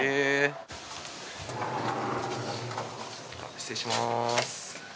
失礼します。